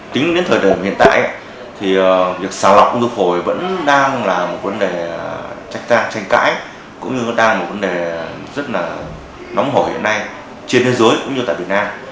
tính đến thời đời hiện tại việc xào lọc ung thư phổi vẫn đang là một vấn đề tranh cãi cũng như đang là một vấn đề rất nóng hổi hiện nay trên thế giới cũng như tại việt nam